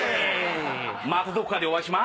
またどこかでお会いしま。